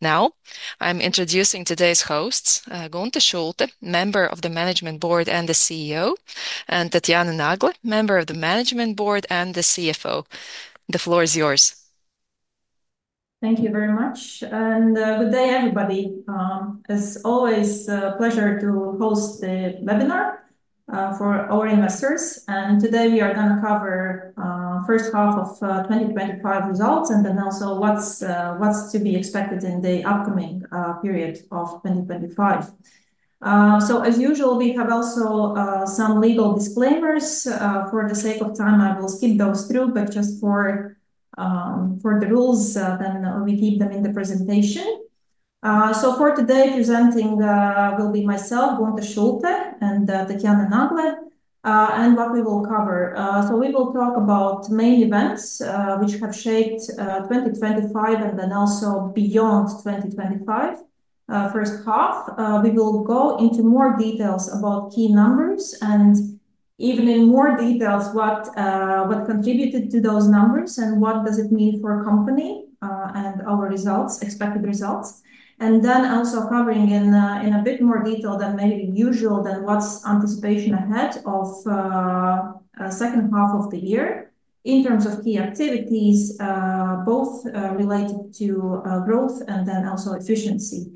Now I'm introducing today's hosts, Gonta Schulte, member of the Management Board and the CEO and Tatiana Nagla, member of the Management Board and the CFO. The floor is yours. Thank you very much, and, good day, everybody. It's always a pleasure to host the webinar, for our investors. And today, we are gonna cover, 2025 results and then also what's what's to be expected in the upcoming, period of 2025. So as usual, we have also, some legal disclaimers. For the sake of time, I will skip those through. But just for for the rules, then we keep them in the presentation. So for today, presenting, will be myself, Bonta Schulpe, and, and what we will cover. So we will talk about main events which have shaped, 2025 and then also beyond 2025. First half, we will go into more details about key numbers and even in more details what, what contributed to those numbers and what does it mean for company, and our results expected results. And then also covering in, in a bit more detail than maybe usual than what's anticipation ahead of, second half of the year in terms of key activities, both, related to growth and then also efficiency.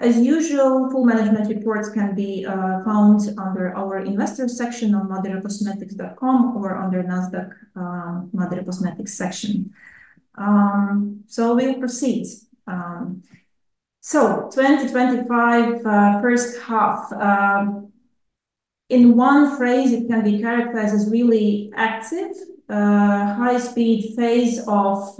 As usual, full management reports can be found under our investors section on madrecosmetics.com or under Nasdaq Madre Cosmetics section. So we'll proceed. So 2025, first half. In one phrase, it can be characterized as really active, high speed phase of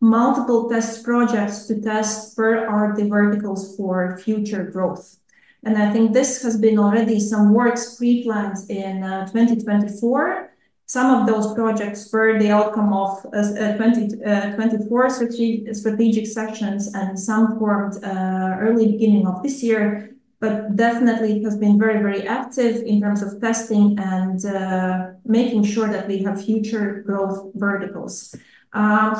multiple test projects to test per our verticals for future growth. And I think this has been already some works preplanned in 2024. Some of those projects spurred the outcome of 2024 strategic sections and some formed early beginning of this year, but definitely has been very, very active in terms of testing and making sure that we have future growth verticals.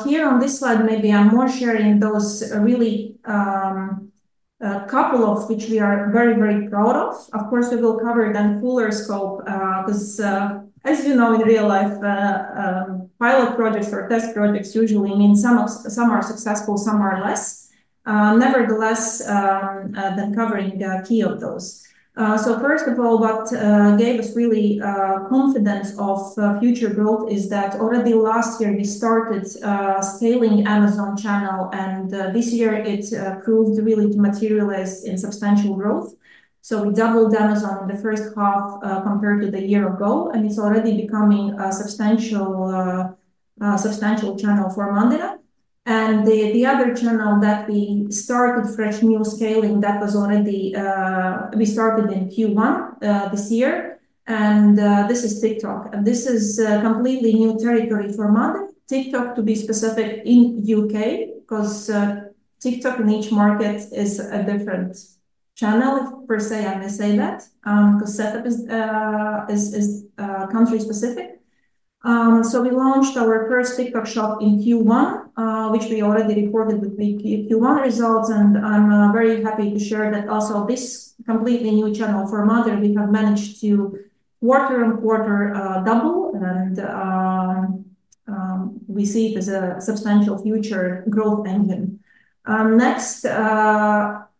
Here on this slide, maybe I'm more sharing those really, a couple of which we are very, very proud of. Of course, we will cover then fuller scope, because, you know, in real life, pilot projects or test projects usually mean some of some are successful, some are less. Nevertheless, than covering the key of those. So first of all, what gave us really, confidence of future growth is that already last year, we started, scaling Amazon channel. And, this year, it's proved really to materialize in substantial growth. So we doubled Amazon in the first half, compared to the year ago, and it's already becoming a substantial, substantial channel for Mandela. And the the other channel that we started fresh new scaling, that was already, we started in q one, this year, and, this is TikTok. And this is a completely new territory for Mandela. TikTok, to be specific, in UK because TikTok niche market is a different channel per se. I may say that, because setup is is is country specific. So we launched our first TikTok shop in q one, which we already reported with the q q one results, and I'm very happy to share that also this completely new channel for Modern, we have managed to quarter on quarter double, and we see it as a substantial future growth engine. Next,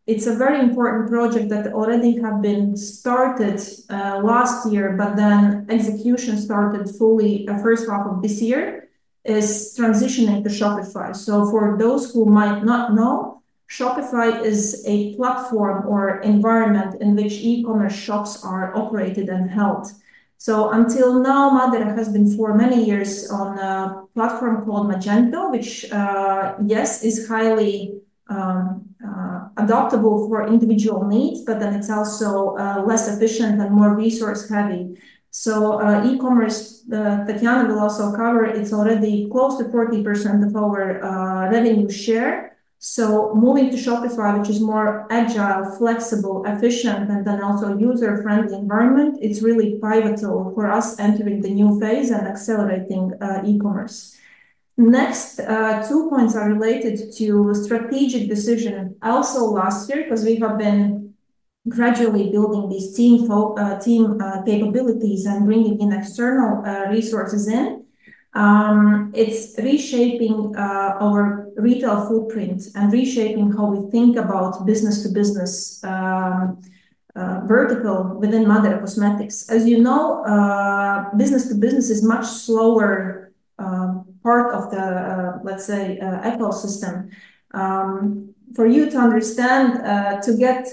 it's a very important project that already have been started, last year, but then execution started fully the first half of this year is transitioning to Shopify. So for those who might not know, Shopify is a platform or environment in which ecommerce shops are operated and held. So until now, Mandera has been for many years on a platform called Magento, which, yes, is highly, adoptable for individual needs, but then it's also, less efficient and more resource heavy. So, ecommerce, that Yana will also cover, it's already close to 40% of our, revenue share. So moving to Shopify, which is more agile, flexible, efficient, and then also user friendly environment, it's really pivotal for us entering the new phase and accelerating, ecommerce. Next, two points are related to strategic decision also last year because we have been gradually building these team team capabilities and bringing in external resources in. It's reshaping our retail footprint and reshaping how we think about business to business vertical within mother cosmetics. As you know, business to business is much slower part of the, let's say, ecosystem. For you to understand, to get,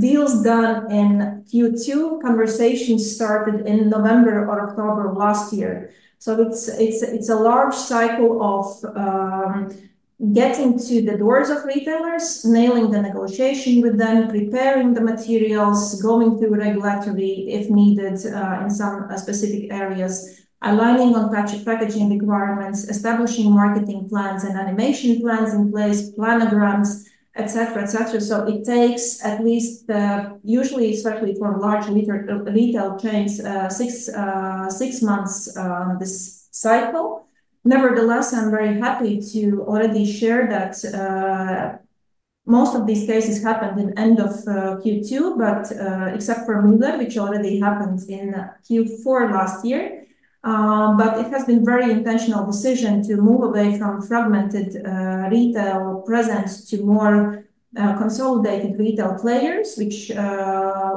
deals done in q two, conversations started in November or October. So So it's it's it's a large cycle of, getting to the doors of retailers, nailing the negotiation with them, preparing the materials, going through regulatory if needed, in some specific areas, aligning on patch packaging requirements, establishing marketing plans and animation plans in place, planograms, etcetera, etcetera. So it takes at least, usually, especially for large liter retail chains, six, six months this cycle. Nevertheless, I'm very happy to already share that most of these cases happened in '2, but, except for Mule, which already happened in q four last year. But it has been very intentional decision to move away from fragmented retail presence to more consolidated retail players, which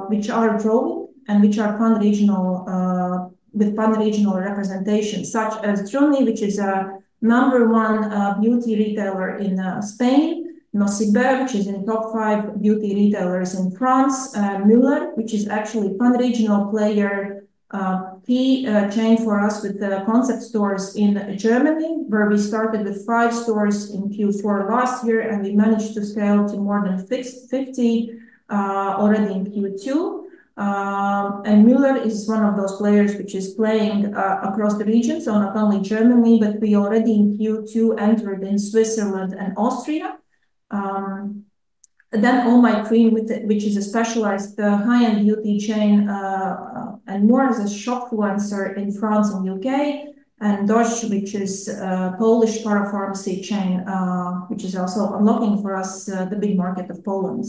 which are growing and which are conregional with pan regional representation, such as Drumi, which is a number one, beauty retailer in, Spain, Nociebert, which is in top five beauty retailers in France, Mueller, which is actually pan regional player He chained for us with the concept stores in Germany, where we started with five stores in q four last year, and we managed to scale to more than fixed 50, already in q two. And Mueller is one of those players which is playing, across the region, so not only Germany, but we already, in q two, entered in Switzerland and Austria. And then Oh My Cream, which is a specialized high end UP chain, and more of the shop influencer in France and UK, and Dozh, which is a Polish parapharmacy chain, which is also unlocking for us the big market of Poland.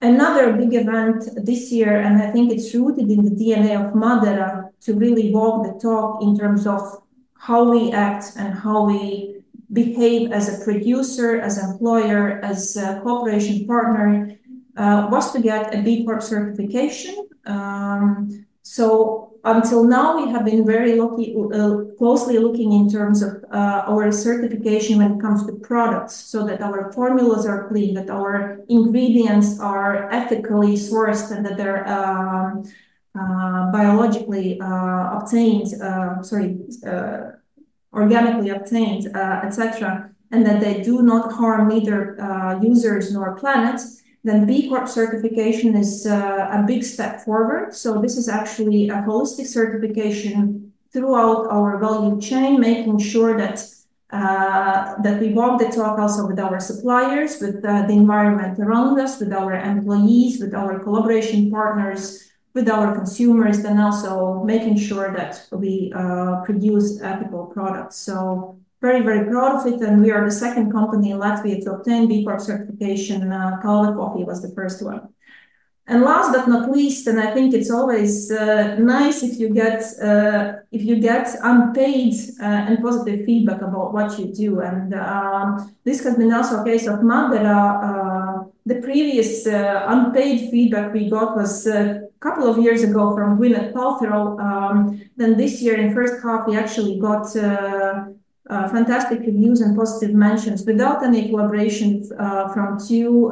Another big event this year, and I think it's rooted in the DNA of Madeira to really walk the talk in terms of how we act and how we behave as a producer, as employer, as a cooperation partner, was to get a B Corp certification. So until now, we have been very lucky looking in terms of, our certification certification when it comes to products so that our formulas are clean, that our ingredients are ethically sourced, and that they're biologically obtained sorry, organically obtained, etcetera, and that they do not harm neither, users nor planets, then B Corp certification is a a big step forward. So this is actually a holistic certification throughout our value chain, making sure that, that we want the top also with our suppliers, with the the environment around us, with our employees, with our collaboration partners, with our consumers, and also making sure that we, produce ethical products. So very, very proud of it, and we are the second company in Latvia to obtain B Corp certification. Kala Coffee was the first one. And last but not least, and I think it's always, nice if you get, if you get unpaid, and positive feedback about what you do. And, this has been also a case of Mandela. The previous, unpaid feedback we got was a couple of years ago from. Then this year, in first half, we actually got fantastic reviews and positive mentions without any collaboration, from two,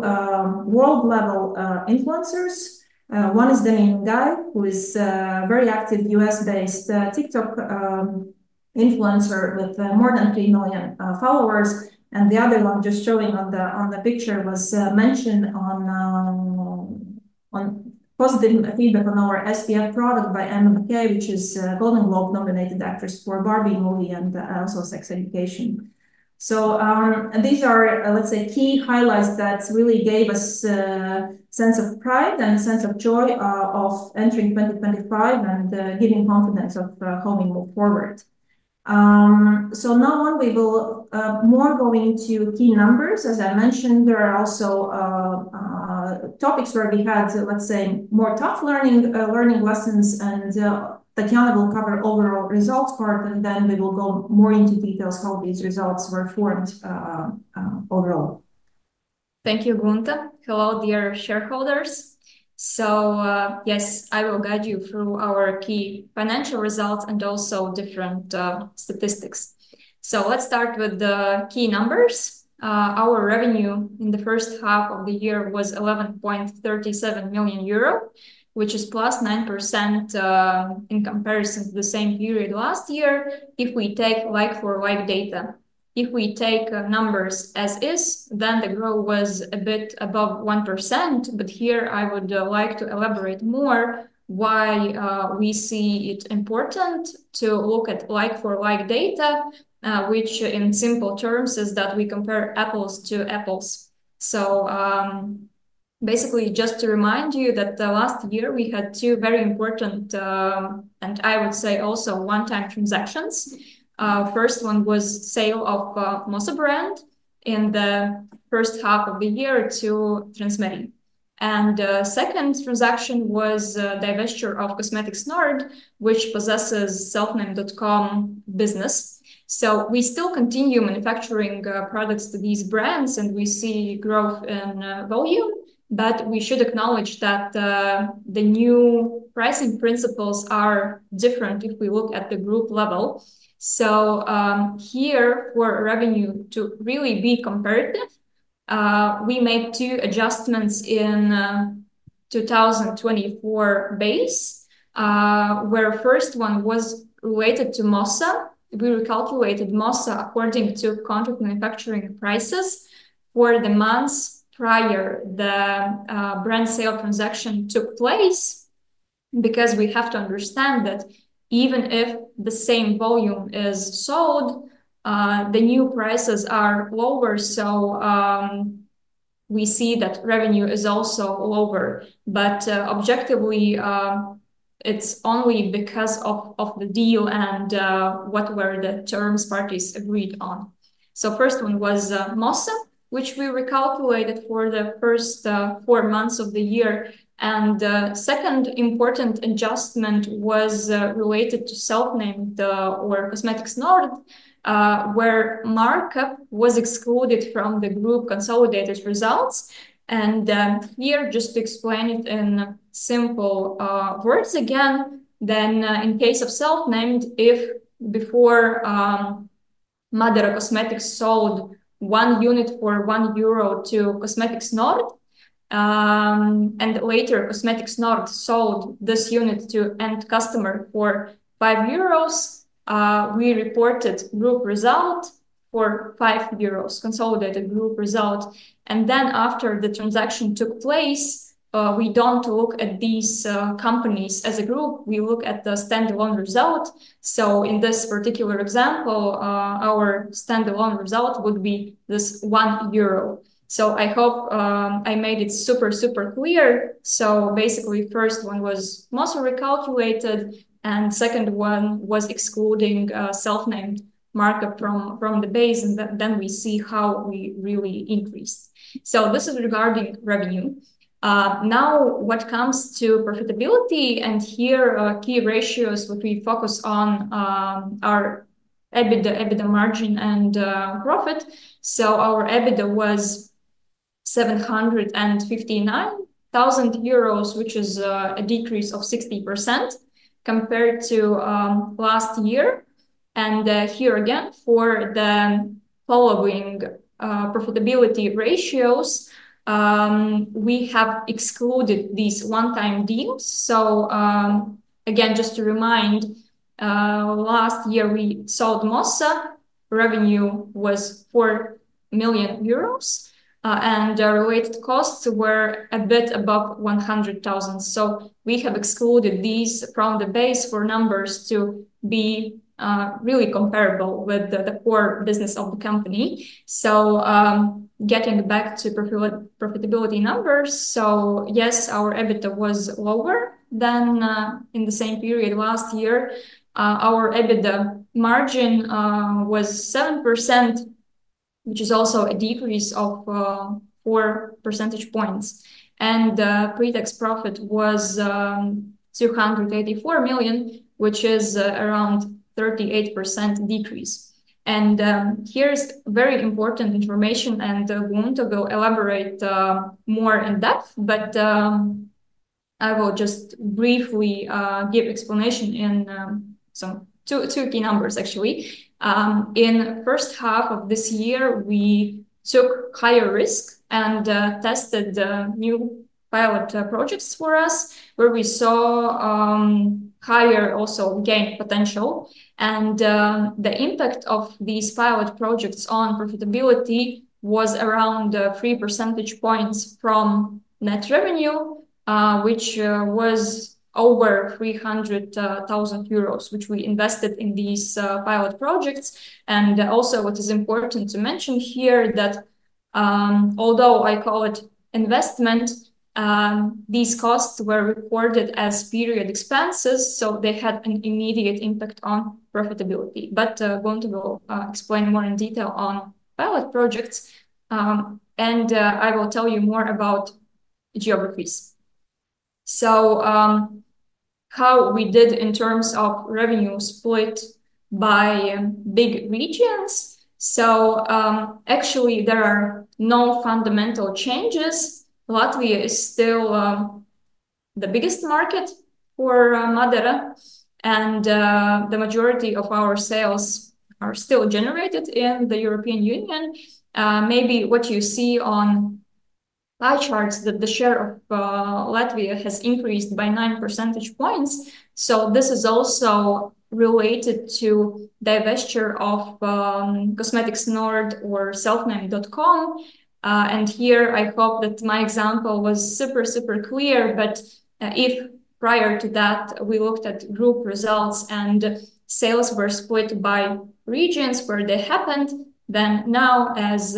world level, influencers. One is the name Guy who is a very active US based TikTok influencer with more than 3,000,000 followers, and the other one just showing on the on the picture was mentioned on on positive feedback on our SPF product by Emma McKay, which is Golden Globe nominated actress for a Barbie movie and also sex education. So, these are, let's say, key highlights that really gave us a sense of pride and a sense of joy, of entering 2025 and, giving confidence of how we move forward. So now on, we will, more go into key numbers. As I mentioned, there are also topics where we had, let's say, more tough learning learning lessons, and Tatiana will cover overall results part, and then we will go more into details how these results were formed overall. Thank you, Gunther. Hello, dear shareholders. So, yes, I will guide you through our key financial results and also different statistics. So let's start with the key numbers. Our revenue in the first half of the year was €11,370,000, which is plus 9% in comparison to the same period last year if we take like for like data. If we take numbers as is, then the growth was a bit above 1%. But here, I would like to elaborate more why we see it important to look at like for like data, which in simple terms is that we compare apples to apples. So, basically, just to remind you that the last year, we had two very important, and I would say also, onetime transactions. First one was sale of Mosa brand in the first half of the year to Transmedy. And second transaction was divestiture of Cosmetics Nord, which possesses selfname.com business. So we still continue manufacturing products to these brands, and we see growth in volume. But we should acknowledge that the new pricing principles are different if we look at the group level. So here, for revenue to really be comparative, we made two adjustments in 2024 base, where first one was related to MOSSA. We recalculated MOSA according to contract manufacturing prices for the months prior the brand sale transaction took place because we have to understand that even if the same volume is sold, the new prices are lower. So we see that revenue is also lower. But, objectively, it's only because of of the deal and what were the terms parties agreed on. So first one was, which we recalculated for the first four months of the year. And the second important adjustment was related to self named or cosmetics node, where markup was excluded from the group consolidated results. And then here, just to explain it in simple words again, then in case of self named if before Madara Cosmetics sold one unit or €1 to Cosmetics Nord, And later, Cosmetics Nord sold this unit to end customer for €5. We reported group result for €5, consolidated group result. And then after the transaction took place, we don't look at these companies as a group. We look at the stand alone result. So in this particular example, our stand alone result would be this €1. So I hope I made it super, super clear. So, basically, first one was mostly recalculated, and second one was excluding self named markup from from the base, and then then we see how we really increased. So this is regarding revenue. Now when it comes to profitability, and here, key ratios, what we focus on are EBITDA EBITDA margin and, profit. So our EBITDA was €759,000, which is a decrease of 60% compared to, last year. And here again, for the following profitability ratios, we have excluded these onetime deals. So, again, just to remind, last year, we sold MoSA. Revenue was €4,000,000, and the related costs were a bit above 100,000. So we have excluded these from the base for numbers to be, really comparable with the the core business of the company. So, getting back to profit profitability numbers. So, yes, our EBITDA was lower than in the same period last year. Our EBITDA margin was 7%, which is also a decrease of four percentage points. And the pretax profit was 284,000,000, which is around 38% decrease. And here's very important information, and I want to go elaborate more in-depth, but I will just briefly give explanation in some two two key numbers, actually. In first half of this year, we took higher risk and tested new pilot projects for us where we saw higher also gain potential. And the impact of these pilot projects on profitability was around three percentage points from net revenue, which was over €300,000, which we invested in these pilot projects. And, also, what is important to mention here that although I call it investment, these costs were reported as period expenses, so they had an immediate impact on profitability. But Gonta will explain more in detail on pilot projects, and I will tell you more about geographies. So how we did in terms of revenue split by big regions. So, actually, there are no fundamental changes. Latvia is still the biggest market for Madera, and the majority of our sales are still generated in the European Union. Maybe what you see on pie charts that the share of Latvia has increased by nine percentage points. So this is also related to divestiture of Cosmetics Nord or selfname.com. And here, I hope that my example was super, super clear. But if prior to that, we looked at group results and sales were split by regions where they happened, then now as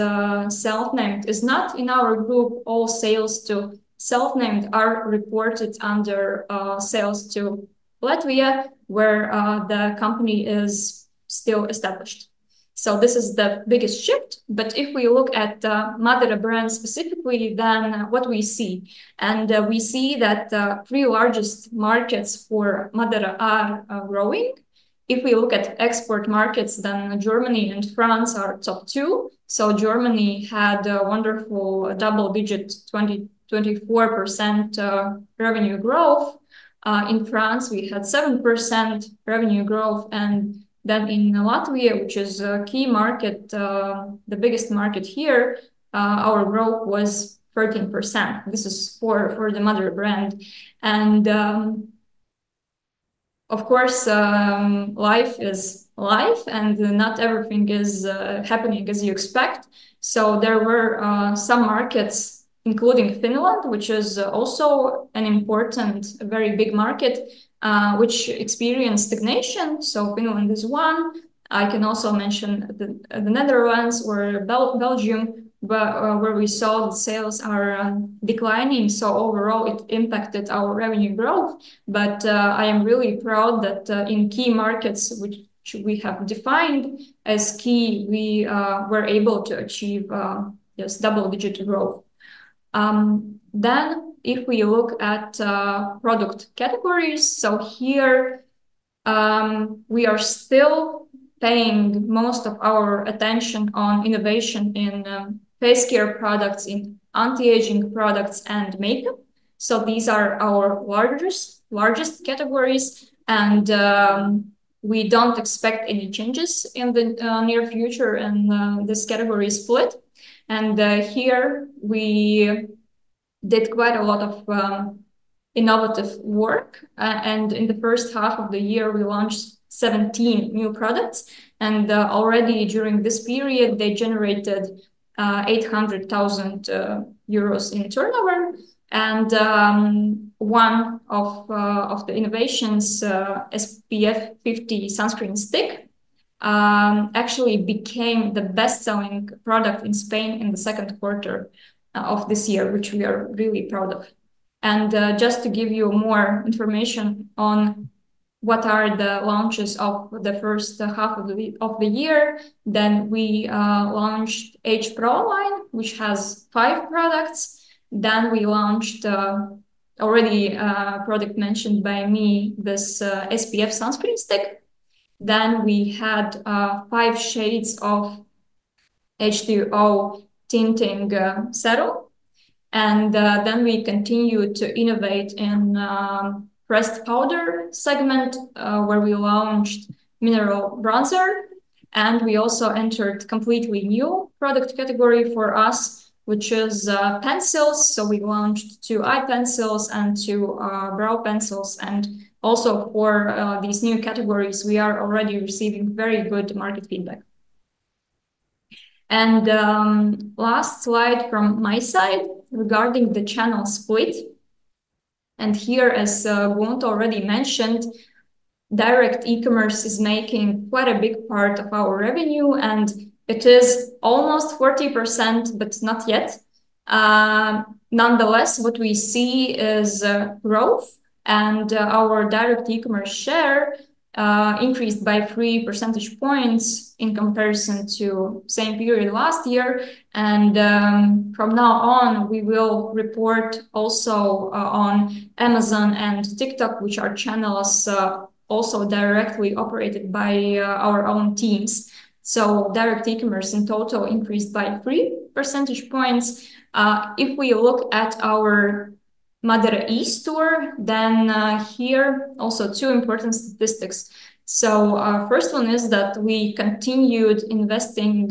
self named is not in our group, all sales to self named are reported under sales to Latvia where the company is still established. So this is the biggest shift. But if we look at Madera brands specifically, then what we see? And we see that the three largest markets for Madera are growing. If we look at export markets, then Germany and France are top two. So Germany had a wonderful double digit 2024% revenue growth. In France, we had 7% revenue growth. And then in Latvia, which is a key market, the biggest market here, our growth was 13%. This is for for the mother brand. And, of course, life is life, and not everything is happening as you expect. So there were some markets including Finland, which is also an important a very big market, which experienced stagnation. So Finland is one. I can also mention the The Netherlands or Belgium, where where we saw sales are declining. So overall, it impacted our revenue growth. But I am really proud that in key markets, which we have defined as key, we were able to achieve just double digit growth. Then if we look at product categories, so here, we are still paying most of our attention on innovation in face care products, in antiaging products, and makeup. So these are our largest largest categories, and we don't expect any changes in the near future in this category split. And here, we did quite a lot of innovative work. And in the first half of the year, we launched 17 new products. And already during this period, they generated €800,000 in turnover. And one of of the innovations SPF 50 sunscreen stick actually became the best selling product in Spain in the second quarter of this year, which we are really proud of. And just to give you more information on what are the launches of the first half of the of the year, then we launched h pro line, which has five products. Then we launched already a product mentioned by me, this SPF sunscreen stick. Then we had five shades of h two o tinting settle. And then we continue to innovate in pressed powder segment where we launched mineral bronzer, and we also entered completely new product category for us, which is pencils. So we launched two eye pencils and two brow pencils. And also for these new categories, we are already receiving very good market feedback. And last slide from my side regarding the channel split. And here, as Wont already mentioned, direct ecommerce is making quite a big part of our revenue, and it is almost 40%, but not yet. Nonetheless, what we see is growth, and our direct ecommerce share increased by three percentage points in comparison to same period last year. And, from now on, we will report also, on Amazon and TikTok, which are channels also directly operated by, our own teams. So direct e commerce in total increased by three percentage points. If we look at our Madera e store, then here, also two important statistics. So first one is that we continued investing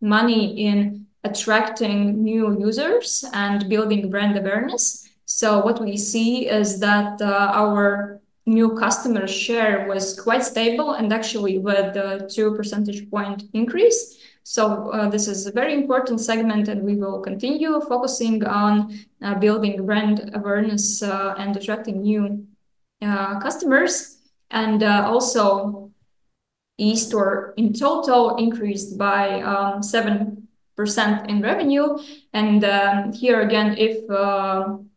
money in attracting new users and building brand awareness. So what we see is that our new customer share was quite stable and actually with two percentage point increase. So this is a very important segment, and we will continue focusing on building brand awareness and attracting new customers. And, also, eStore in total increased by 7% in revenue. And here, again, if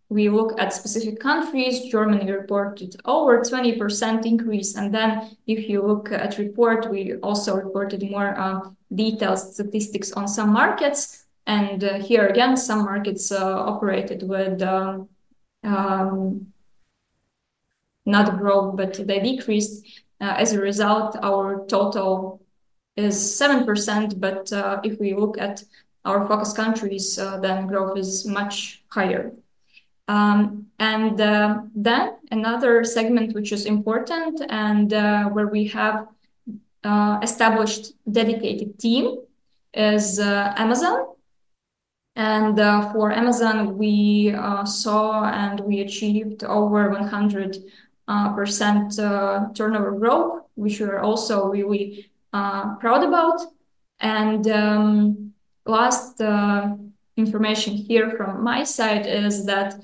we look at specific countries, Germany reported over 20% increase. And then if you look at report, we also reported more details, statistics on some markets. And here, again, some markets operated with not growth, but they decreased. As a result, our total is 7%. But if we look at our focus countries, then growth is much higher. And then another segment which is important and where we have established dedicated team is Amazon. And for Amazon, we saw and we achieved over 100% turnover growth, which we're also really proud about. And last information here from my side is that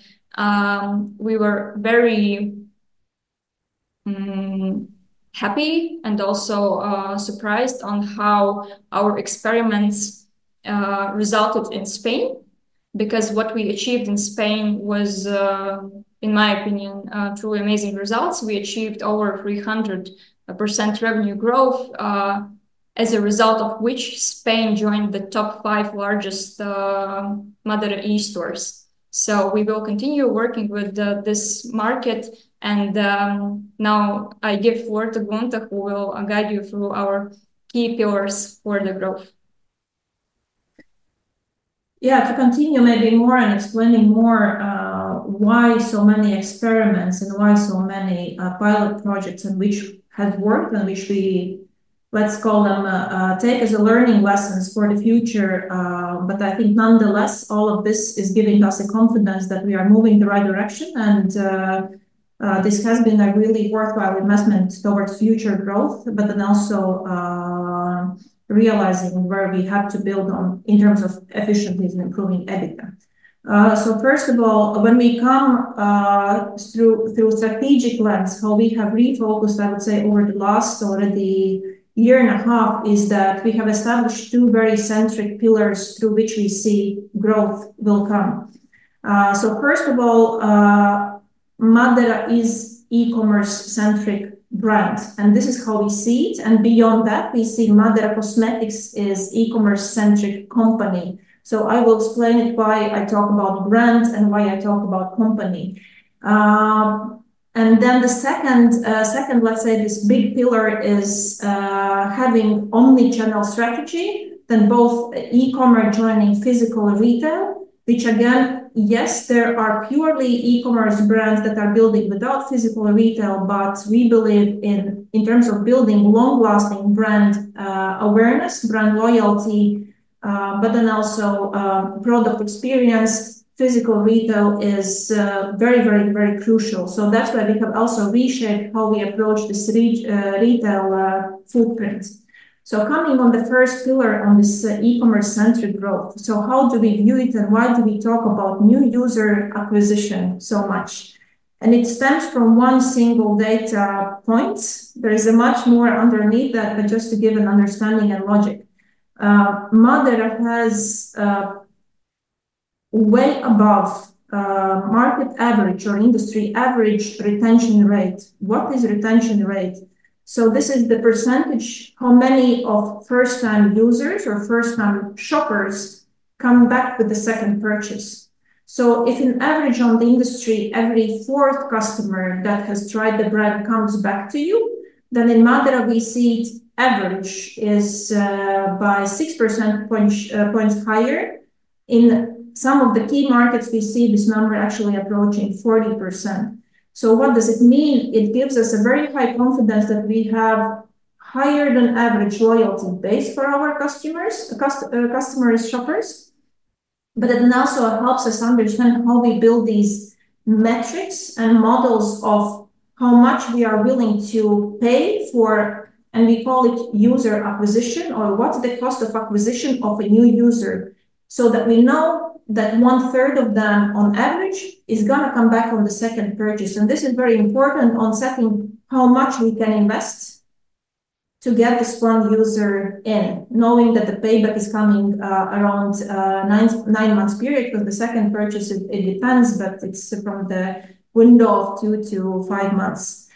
we were very happy and also surprised on how our experiments resulted in Spain because what we achieved in Spain was, in my opinion, two amazing results. We achieved over 300% revenue growth as a result of which Spain joined the top five largest Mother e stores. So we will continue working with this market. And now I give word to Gonta who will guide you through our key pillars for the growth. Yeah. To continue maybe more and explaining more, why so many experiments and why so many, pilot projects in which had worked and which we let's call them, take as a learning lessons for the future. But I think, nonetheless, all of this is giving us a confidence that we are moving the right direction, and, this has been a really worthwhile investment towards future growth, but then also realizing where we have to build on in terms of efficiencies and improving EBITDA. So first of all, when we come, through through strategic lens, how we have refocused, I would say, over the last already year and a half is that we have established two very centric pillars through which we see growth will come. So first of all, Madeira is ecommerce centric brand, and this is how we see it. And beyond that, we see Madera Cosmetics is ecommerce centric company. So I will explain it why I talk about brands and why I talk about company. And then the second second, let's say, this big pillar is having omnichannel strategy than both ecommerce joining physical retail, which, again, yes, there are purely ecommerce brands that are building without physical retail, but we believe in in terms of building long lasting brand awareness, brand loyalty, but then also product experience, physical retail is very, very, very crucial. So that's why we have also reshaped how we approach this reach retail footprint. So coming on the first pillar on this ecommerce centric growth. So how do we view it, and why do we talk about new user acquisition so much? And it stems from one single data points. There is a much more underneath that than just to give an understanding and logic. Mother has way above market average or industry average retention rate. What is retention rate? So this is the percentage how many of first time users or first time shoppers come back with the second purchase. So if in average on the industry, every fourth customer that has tried the bread comes back to you, then in Madera, we see average is, by 6% points points higher. In some of the key markets, we see this number actually approaching 40%. So what does it mean? It gives us a very high confidence that we have higher than average loyalty base for our customers customer customers, but it also helps us understand how we build these metrics and models of how much we are willing to pay for and we call it user acquisition or what's the cost of acquisition of a new user so that we know that one third of them on average is gonna come back on the second purchase. And this is very important on setting how much we can invest to get this one user in, knowing that the payback is coming around nine nine months period. Because the second purchase, it it depends, but it's from the window of two to five months.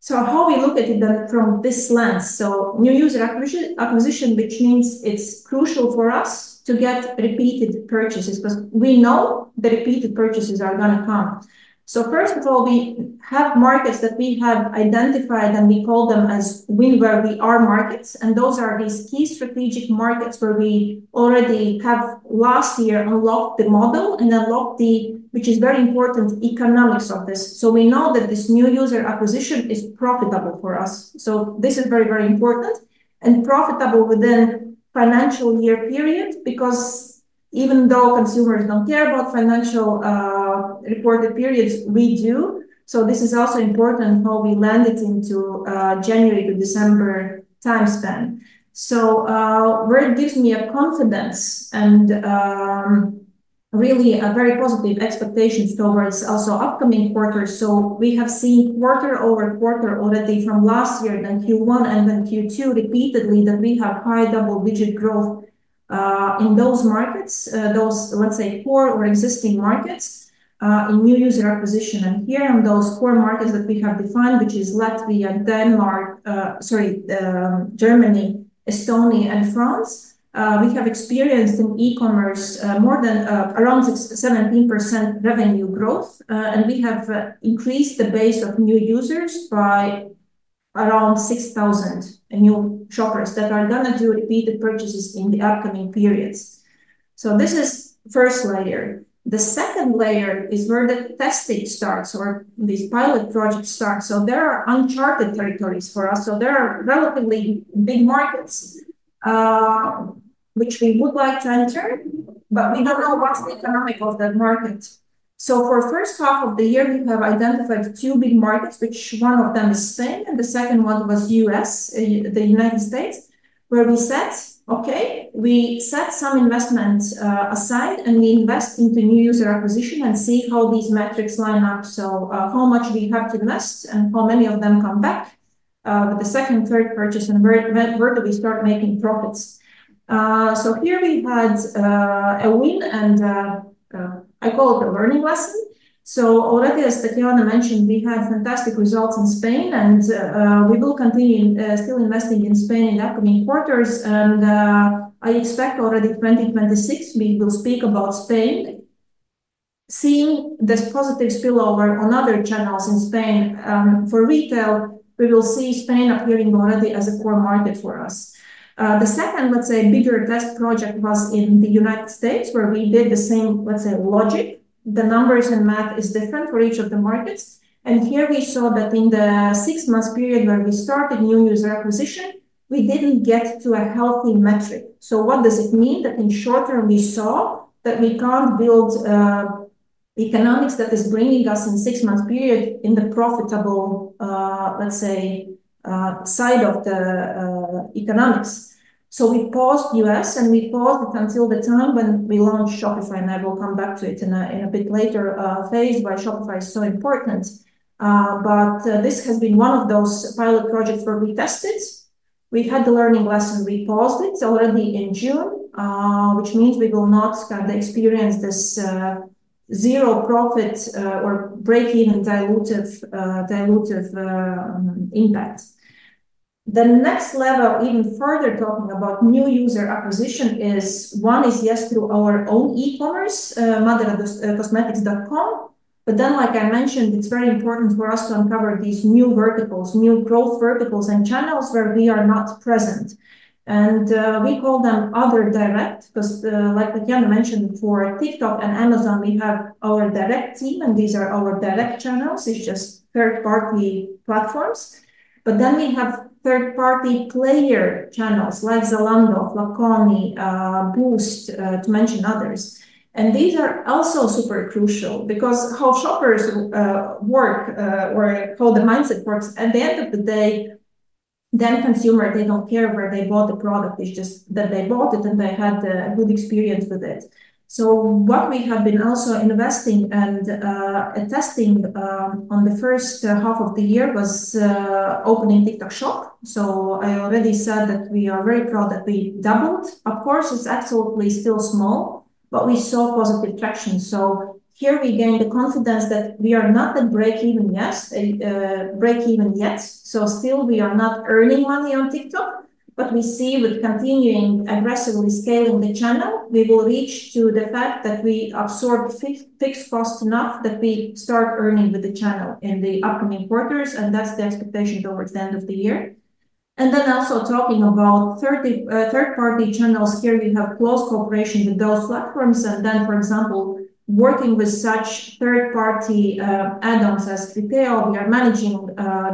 So how we look at it from this lens? So new user acquisition, which means it's crucial for us to get repeated purchases because we know the repeated purchases are gonna come. So first of all, we have markets that we have identified, and we call them as win where we are markets. And those are these key strategic markets where we already have, last year, unlocked the model and unlocked the, which is very important, economics of this. So we know that this new user acquisition is profitable for us. So this is very, very important and profitable within financial year period because even though consumers don't care about financial, reported periods, we do. So this is also important how we landed into, January to December time span. So where it gives me a confidence and, really, a very positive expectations towards also upcoming quarters. So we have seen quarter over quarter already from last year than q one and then q two repeatedly that we have high double digit growth, in those markets, those, let's say, core or existing markets, in new user acquisition. And here in those core markets that we have defined, which is Latvia, Denmark, sorry, Germany, Estonia, and France, we have experienced in ecommerce, more than, around six 17% revenue growth, and we have increased the base of new users by around 6,000 new shoppers that are gonna do repeat the purchases in the upcoming periods. So this is first layer. The second layer is where the testing starts or these pilot projects start. So there are uncharted territories for us. So there are relatively big markets, which we would like to enter, but we don't know what's the economic of that market. So for first half of the year, we have identified two big markets, which one of them is Spain, and the second one was US, The United States, where we said, okay. We set some investments, aside, and we invest into new user acquisition and see how these metrics line up. So, how much we have to invest and how many of them come back, with the second, third purchase, and where where do we start making profits? So here, we had a win, and, I call it a learning lesson. So already, as Tatiana mentioned, we had fantastic results in Spain, and, we will continue, still investing in Spain in upcoming quarters. And, I expect already 2026, we will speak about Spain. Seeing this positive spillover on other channels in Spain, for retail, we will see Spain appearing already as a core market for us. The second, let's say, bigger test project was in The United States where we did the same, let's say, logic. The numbers and math is different for each of the markets. And here, we saw that in the six month period where we started new user acquisition, we didn't get to a healthy metric. So what does it mean? That in short term, we saw that we can't build economics that is bringing us in six months period in the profitable, let's say, side of the, economics. So we paused US, and we paused until the time when we launched Shopify, and I will come back to it in a in a bit later phase why Shopify is so important. But, this has been one of those pilot projects where we tested. We've had the learning lesson repossed already in June, which means we will not kinda experience this zero profit, or breakeven dilutive, dilutive impact. The next level, even further talking about new user acquisition is, one, is, yes, through our own ecommerce, Madera dos cosmetics.com. But then, like I mentioned, it's very important for us to uncover these new verticals, new growth verticals, and channels where we are not present. And, we call them other direct because, like, again, mentioned for TikTok and Amazon, we have our direct team, and these are our direct channels. It's just third party platforms. But then we have third party player channels like Zalando, Flavconi, Boost, to mention others. And these are also super crucial because how shoppers, work, or how the mindset works, at the end of the day, then consumer, they don't care where they bought the product. It's just that they bought it, and they had a good experience with it. So what we have been also investing and, testing, on the first half of the year was, opening TikTok shop. So I already said that we are very proud that we doubled. Of course, it's absolutely still small, but we saw positive traction. So here we gained the confidence that we are not in breakeven yet, breakeven yet. So still, we are not earning money on TikTok, but we see with continuing aggressively scaling the channel, we will reach to the fact that we absorb fixed cost enough that we start earning with the channel in the upcoming quarters, and that's the expectation towards the end of the year. And then also talking about third, third party channels here, we have close cooperation with those platforms. And then, for example, working with such third party, add ons as we are managing,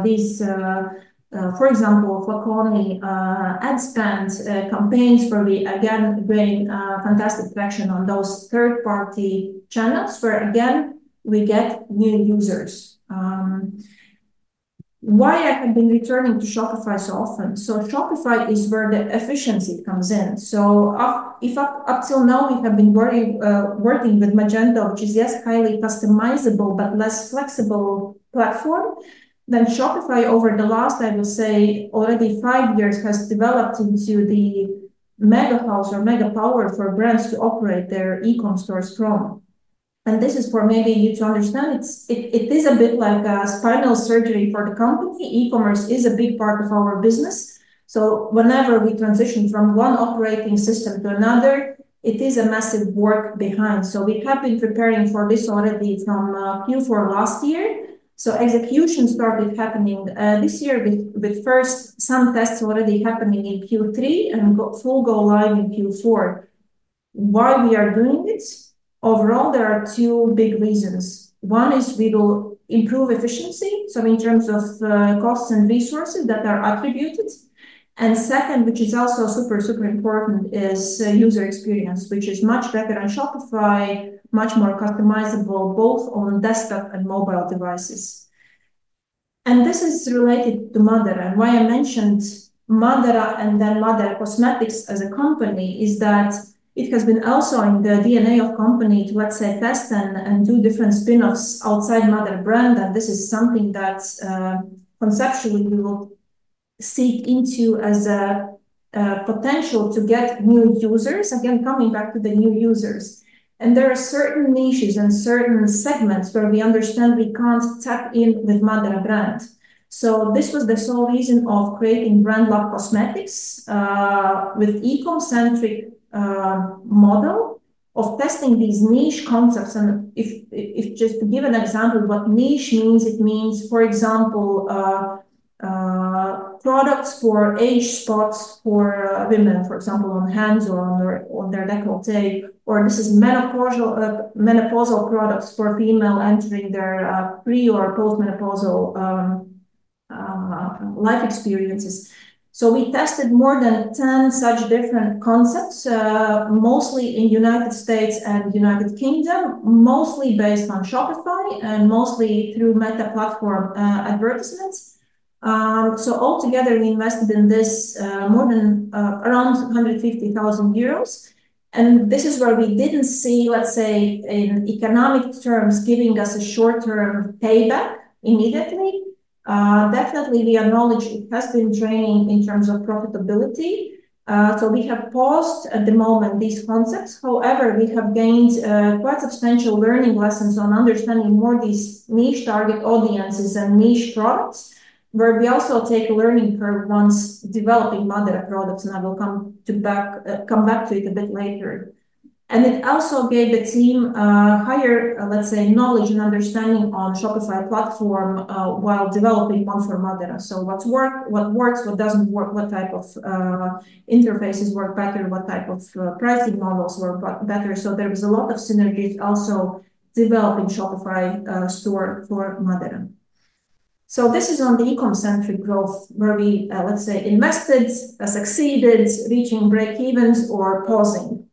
these, for example, for colony, ad spends, campaigns where we, again, bring a fantastic traction on those third party channels where, again, we get new users. Why I have been returning to Shopify so often? So Shopify is where the efficiency comes in. So up if up up till now, we have been working, working with Magento, which is, yes, highly customizable but less flexible platform. Then Shopify over the last, I will say, already five years has developed into the mega house or mega power for brands to operate their e com stores from. And this is for maybe you to understand. It's it it is a bit like a spinal surgery for the company. Ecommerce is a big part of our business. So whenever we transition from one operating system to another, it is a massive work behind. So we have been preparing for this already from, q four last year. So execution started happening, this year with with first some tests already happening in q three and got full go live in q four. Why we are doing this? Overall, there are two big reasons. One is we will improve efficiency, so in terms of, costs and resources that are attributed. And second, which is also super, super important, is user experience, which is much better on Shopify, much more customizable both on desktop and mobile devices. And this is related to Madera. And why I mentioned Madera and then Madera Cosmetics as a company is that it has been also in the DNA of company to, let's say, test and and do different spin offs outside another brand, and this is something that's, conceptually, we will seek into as a potential to get new users, again, coming back to the new users. And there are certain niches and certain segments where we understand we can't tap in with Madra brand. So this was the sole reason of creating brand love cosmetics with eco centric model of testing these niche concepts. If if just to give an example what niche means, it means, for example, products for age spots for women, for example, on hands or on their on their neck or tail, or this is menopausal, menopausal products for female entering their pre or postmenopausal life experiences. So we tested more than 10 such different concepts, mostly in United States and United Kingdom, mostly based on Shopify and mostly through Meta platform, advertisements. So altogether, we invested in this more than, around €150,000. And this is where we didn't see, let's say, in economic terms giving us a short term payback immediately. Definitely, we acknowledge it has been draining in terms of profitability. So we have paused at the moment these concepts. However, we have gained, quite substantial learning lessons on understanding more of these niche target audiences and niche products, where we also take a learning curve once developing Madera products, and I will come to back come back to it a bit later. And it also gave the team, higher, let's say, knowledge and understanding on Shopify platform, while developing one for Madeira. So what's work what works, what doesn't work, what type of, interfaces work better, what type of pricing models work better. So there is a lot of synergies also developing Shopify, store for Madeira. So this is on the econcentric growth where we, let's say, invested, succeeded, reaching breakevens, or pausing.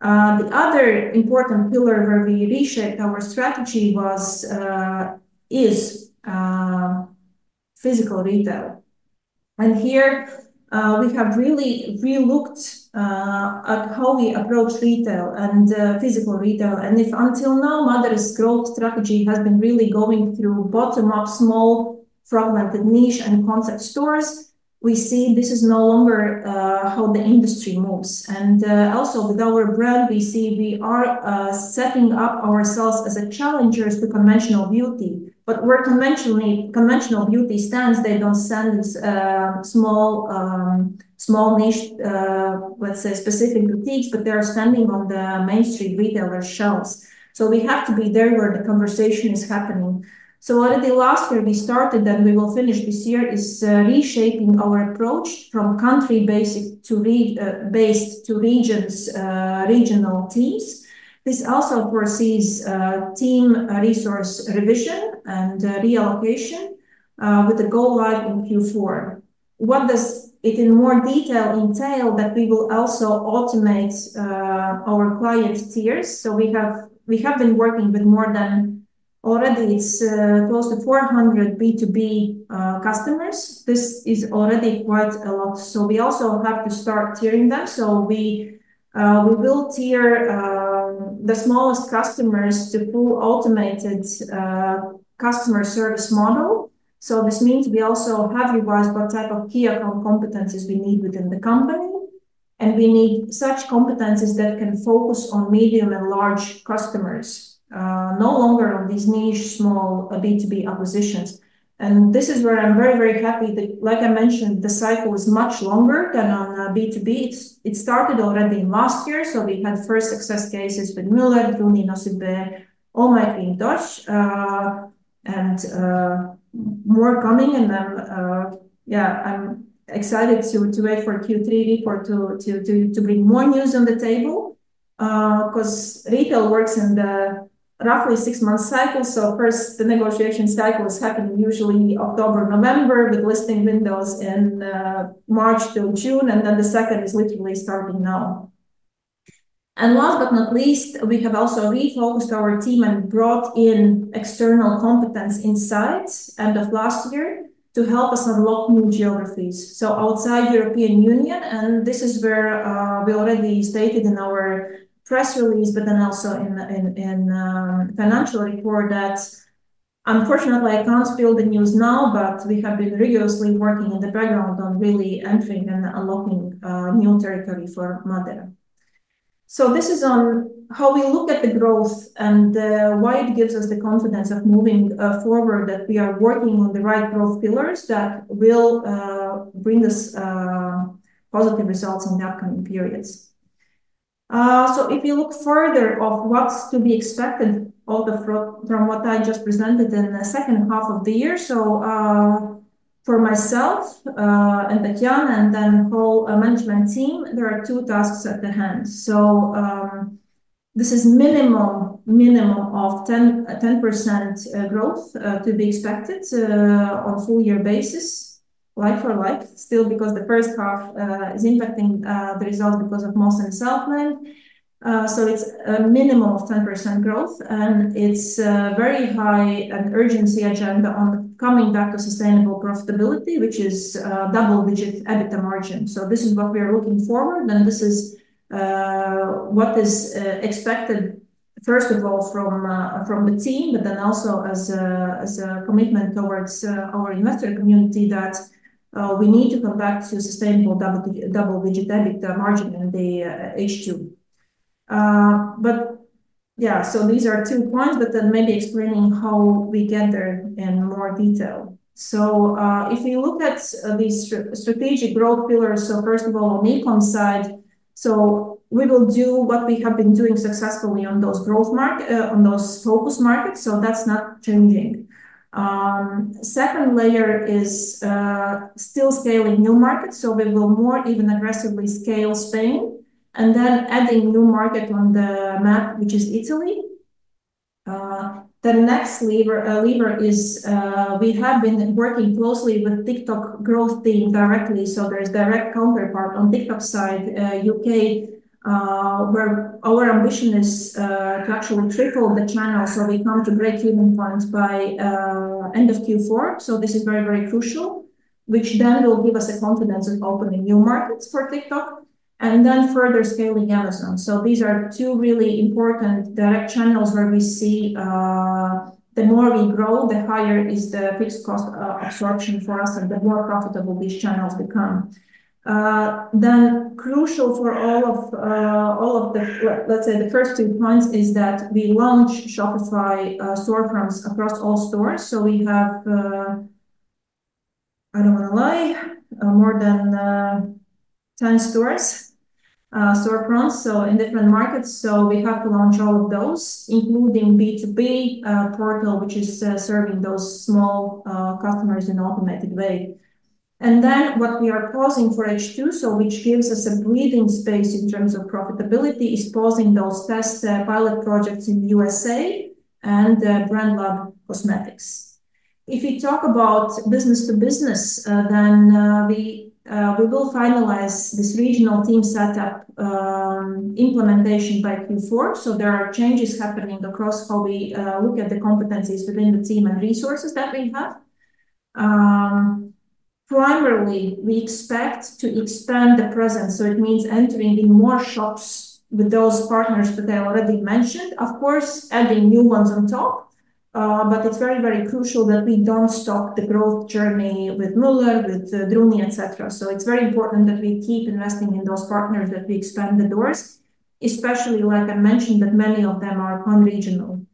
The other important pillar where we reshaped our strategy was, is physical retail. And here, we have really relooked, at how we approach retail and, physical retail. And if until now, Mother's Growth strategy has been really going through bottom up, fragmented niche, and concept stores, we see this is no longer, how the industry moves. And, also, with our brand, we see we are, setting up ourselves as a challenger to conventional beauty. But where conventionally conventional beauty stands, they don't send small, small niche, let's say, specific boutiques, but they are standing on the mainstream retailer shelves. So we have to be there where the conversation is happening. So what did the last where we started that we will finish this year is, reshaping our approach from country basic to re based to regions, regional teams. This also foresees, team resource revision and reallocation, with the goal line in q four. What does it in more detail entail that we will also automate, our client tiers? So we have we have been working with more than already, it's close to 400 b to b customers. This is already quite a lot. So we also have to start tiering them. So we we will tier the smallest customers to pull automated customer service model. So this means we also have revised what type of key account competencies we need within the company, and we need such competencies that can focus on medium and large customers, no longer on these niche small b to b acquisitions. And this is where I'm very, very happy that, like I mentioned, the cycle is much longer than on b to b. It started already last year, so we had first success cases with and and more coming. And then, yeah, I'm excited to to wait for q three report to to to to bring more news on the table, because retail works in the roughly six month cycle. So first, the negotiation cycles happen usually October, November with listing windows in March till June, and then the second is literally starting now. And last but not least, we have also refocused our team and brought in external competence insights end of last year to help us unlock new geographies. So outside European Union, and this is where, we already stated in our press release, but then also in in in, financial report that, unfortunately, I can't feel the news now, but we have been rigorously working in the background on really entering and unlocking, new territory for Moderna. So this is on how we look at the growth and, why it gives us the confidence of moving, forward that we are working on the right growth pillars that will, bring us positive results in upcoming periods. So if you look further of what's to be expected all the what I just presented in the second half of the year, so, for myself, and Etienne and then whole management team, there are two tasks at the hands. So this is minimal minimal of 1010% growth, to be expected, on full year basis, like for like, still because the first half, is impacting, the result because of moss and self land. So it's a minimal 10% growth, and it's a very high urgency agenda on coming back to sustainable profitability, which is double digit EBITDA margin. So this is what we are looking forward, and this is what is expected, first of all, from, from the team, but then also as a as a commitment towards our investor community that, we need to come back to sustainable double double digit EBITDA margin in the h two. But yeah. So these are two points, but then maybe explaining how we get there in more detail. So if we look at these strategic growth pillars, so first of all, on Econ side, so we will do what we have been doing successfully on those growth mark on those focus markets, so that's not changing. Second layer is, still scaling new markets, so we will more even aggressively scale Spain and then adding new market on the map, which is Italy. The next lever lever is, we have been working closely with TikTok growth team directly. So there's direct counterpart on TikTok side, UK, where our ambition is to actually triple the channel so we come to breakeven point by '4. So this is very, very crucial, which then will give us a confidence in opening new markets for TikTok and then further scaling Amazon. So these are two really important direct channels where we see, the more we grow, the higher is the fixed cost absorption for us and the more profitable these channels become. Then crucial for all of, all of the let's say, the first two points is that we launched Shopify, storefronts across all stores. So we have, I don't wanna lie, more than 10 stores, storefronts, so in different markets. So we have to launch all of those, including b to b, portal, which is serving those small, customers in an automatic way. And then what we are pausing for h two, so which gives us a breathing space in terms of profitability, is pausing those test pilot projects in USA and the Brandlab Cosmetics. If we talk about business to business, then, we, we will finalize this regional team setup implementation by q four. So there are changes happening across how we, look at the competencies within the team and resources that we have. Primarily, we expect to expand the presence. So it means entering in more shops with those partners that I already mentioned, of course, adding new ones on top. But it's very, very crucial that we don't stop the growth journey with Muller, with Drumi, etcetera. So it's very important that we keep investing in those partners that we expand the doors, especially, like I mentioned, that many of them are conregional.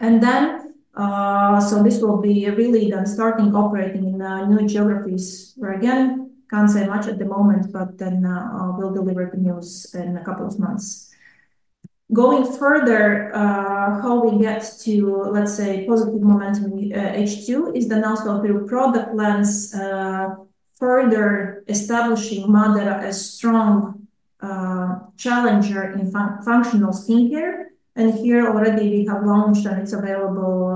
And then, so this will be really then starting operating in, new geographies where, again, can't say much at the moment, but then, we'll deliver the news in a couple of months. Going further, how we get to, let's say, positive momentum in h two is the announcement through product lens, further establishing Madera as strong challenger in functional skincare. And here, already, we have launched and it's available,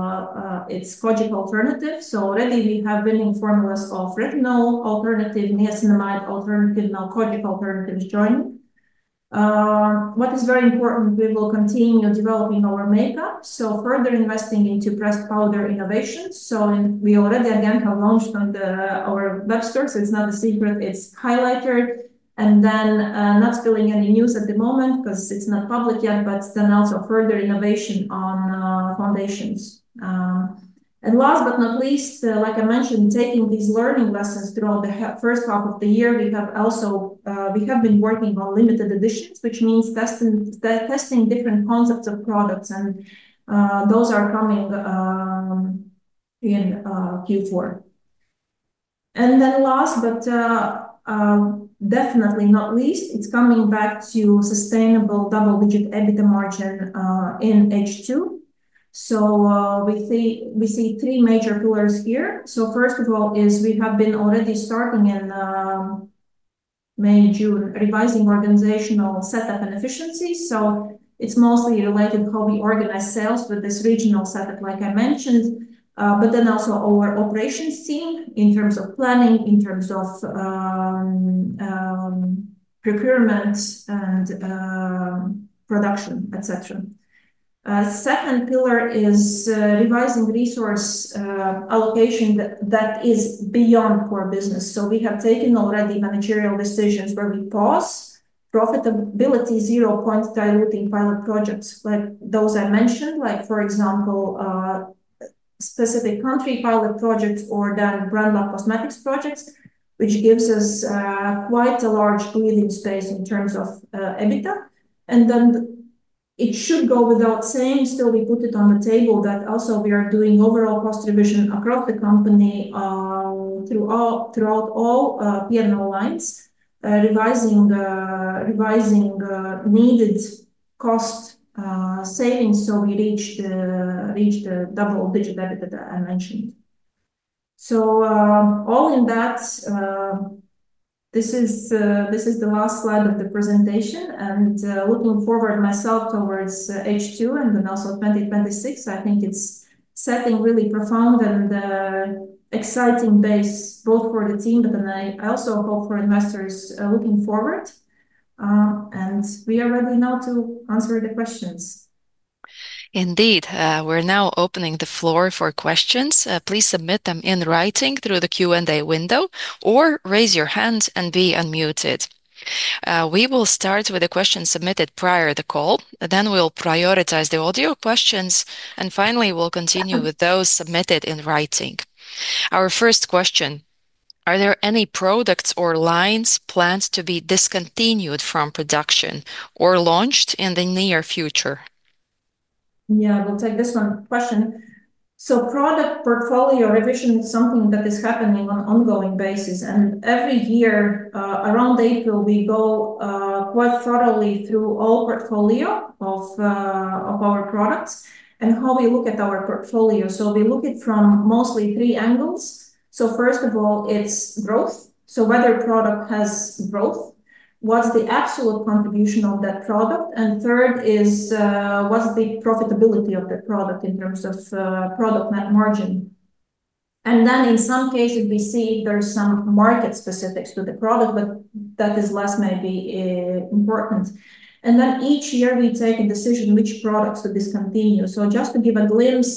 it's cogic alternatives. So already, we have winning formulas of retinal alternative, mesinamide alternative, now cogic alternatives joint. What is very important, we will continue developing our makeup, so further investing into breast powder innovations. So we already, again, have launched on the our web store, so it's not a secret. It's highlighter. And then, not spilling any news at the moment because it's not public yet, but then also further innovation on, foundations. And last but not least, like I mentioned, taking these learning lessons throughout the first half of the year, we have also, we have been working on limited editions, which means testing testing different concepts of products, and, those are coming in q four. And then last but definitely not least, it's coming back to sustainable double digit EBITDA margin, in h two. So, we see we see three major pillars here. So first of all is we have been already starting in May and June revising organizational setup and efficiency. So it's mostly related how we organize sales with this regional setup, I mentioned, but then also our operations team in terms of planning, in terms of procurement and production, etcetera. Second pillar is revising resource allocation that that is beyond core business. So we have taken already managerial decisions where we pause profitability zero point piloting pilot projects, like those I mentioned, like, for example, specific country pilot projects or the branded cosmetics projects, which gives us, quite a large building space in terms of EBITDA. And then it should go without saying, still we put it on the table that also we are doing overall cost revision across the company throughout throughout all p and o lines, revising the revising the needed cost savings so we reach the reach the double digit that that I mentioned. So all in that, this is, this is the last slide of the presentation. And, looking forward myself towards h two and then also 2026, I think it's setting really profound and exciting base both for the team, and then I I also hope for investors looking forward. And we are ready now to answer the questions. Indeed. We're now opening the floor for questions. Please submit them in writing through the q and a window or raise your hand and be unmuted. We will start with the questions submitted prior the call, then we'll prioritize the audio questions. And finally, we'll continue with those submitted in writing. Our first question, are there any products or lines planned to be discontinued from production or launched in the near future? Yeah. We'll take this one question. So product portfolio revision is something that is happening on ongoing basis. And every year, around April, we go, quite thoroughly through all portfolio of, of our products and how we look at our portfolio. So we look it from mostly three angles. So first of all, it's growth. So whether product has growth, what's the absolute contribution of that product, and third is, what's the profitability of the product in terms of, product net margin. And then in some cases, we see there's some market specifics to the product, but that is less maybe important. And then each year, we take a decision which products to discontinue. So just to give a glimpse,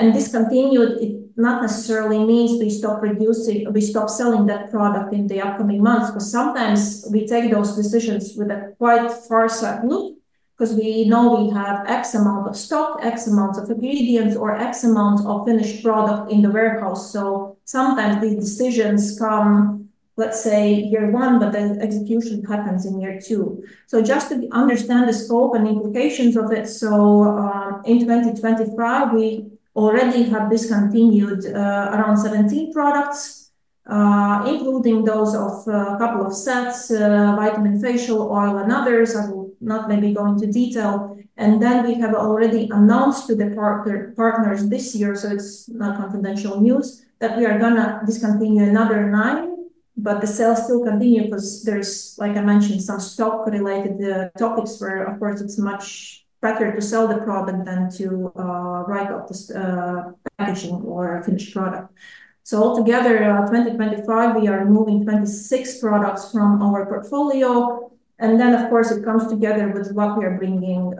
and discontinue, it not necessarily means we stop reducing we stop selling that product in the upcoming months. But sometimes we take those decisions with a quite far set loop because we know we have x amount of stock, x amount of ingredients, or x amount of finished product in the warehouse. So sometimes these decisions come, let's say, year one, but then execution happens in year two. So just to understand the scope and implications of it, so, in 2025, we already have discontinued, around 17 products, including those of a couple of sets, vitamin facial oil and others. I will not maybe go into detail. And then we have already announced to the partner partners this year, so it's not confidential news, that we are gonna discontinue another nine, but the sales still continue because there's, like I mentioned, some stock related topics where, of course, it's much better to sell the product than to, write off this packaging or finished product. So altogether, 2025, we are moving 26 products from our portfolio. And then, of course, it comes together with what we are bringing,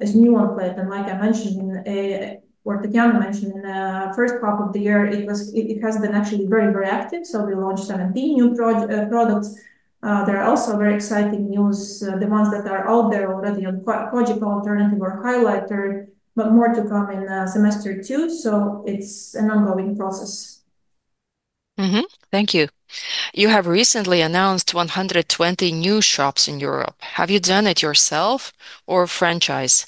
as new on plate. And like I mentioned, what Tatiana mentioned in the first half of the year, it was it it has been actually very, very active. So we launched 17 new prod products. There are also very exciting news, demands that are out there already on project alternative or highlighter, but more to come in semester two. So it's an ongoing process. Mhmm. Thank you. You have recently announced 120 new shops in Europe. Have you done it yourself or franchise?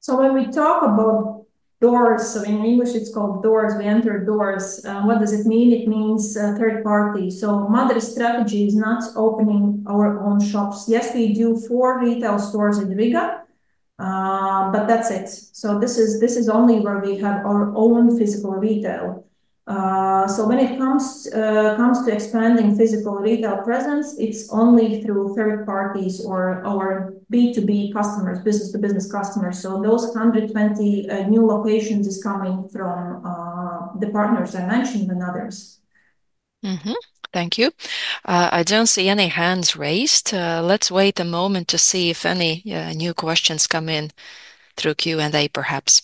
So when we talk about doors so in English, it's called doors. We enter doors. What does it mean? It means third party. So Madr's strategy is not opening our own shops. Yes. We do four retail stores in Riga, but that's it. So this is this is only where we have our own physical retail. So when it comes, comes to expanding physical retail presence, it's only through third parties or our b to b customers, business to business customers. So those 120 new locations is coming from the partners I mentioned and others. Mhmm. Thank you. I don't see any hands raised. Let's wait a moment to see if any new questions come in through Q and A perhaps.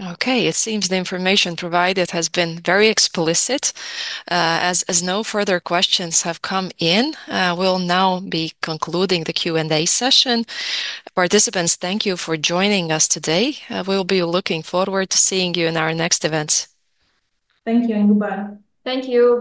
Okay. It seems the information provided has been very explicit. As no further questions have come in, we'll now be concluding the Q and A session. Participants, thank you for joining us today. We'll be looking forward to seeing you in our next event. Thank you, and goodbye. Thank you.